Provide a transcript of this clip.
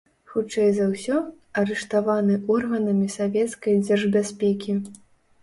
Хутчэй за ўсё, арыштаваны органамі савецкай дзяржбяспекі.